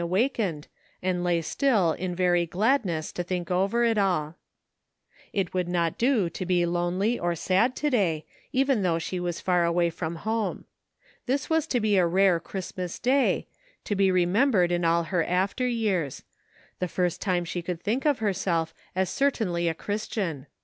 awakened, and lay still in very gladness to think over it all. It would not do to be lonely or sad to day, even though she was far away from home. This was to be a rare Christmas Day, to be remembered in all her after years; the first time she could think of herself as certainly a Christian.